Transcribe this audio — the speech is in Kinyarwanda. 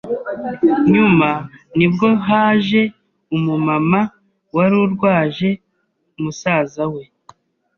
Nyuma nibwo haje umumama wari urwaje musaza we